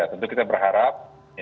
tentu kita berharap